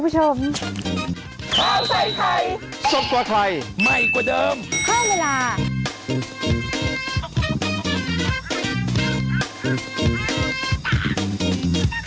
สวัสดีค่ะคุณผู้ชม